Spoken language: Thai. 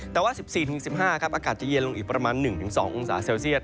แต่ว่า๑๔๑๕อากาศจะเย็นลงอีกประมาณ๑๒องศาเซลเซียต